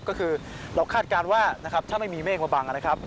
ก็คือเราคาดการณ์ว่านะครับถ้าไม่มีเมฆมาบังนะครับ